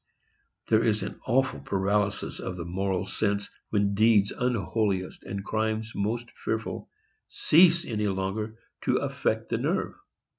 There is an awful paralysis of the moral sense, when deeds unholiest and crimes most fearful cease any longer to affect the nerve.